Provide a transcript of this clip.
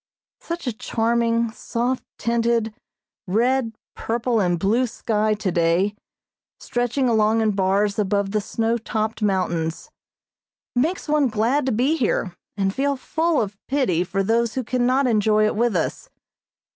Such a charming, soft tinted, red, purple and blue sky today, stretching along in bars above the snow topped mountains. It makes one glad to be here, and feel full of pity for those who cannot enjoy it with us.